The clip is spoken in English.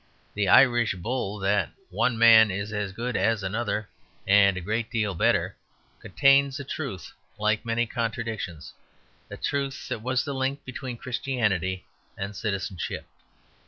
The Irish bull that "One man is as good as another and a great deal better" contains a truth, like many contradictions; a truth that was the link between Christianity and citizenship.